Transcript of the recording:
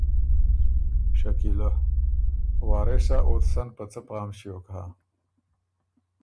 شکیلۀ: وارثا اوت سن په څۀ پام ݭیوک هۀ۔